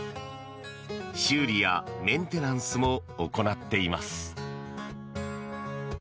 修理やメンテナンスも行っています。